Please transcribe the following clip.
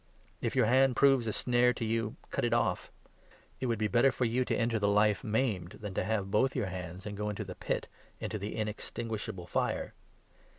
If your hand proves a snare to you, cut it off. 43 It would be better for you to enter the Life maimed, than to have both your hands and go into the Pit, into the inextinguish able fire.